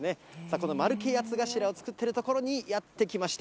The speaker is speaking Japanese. この丸系八つ頭を作っている所にやって来ました。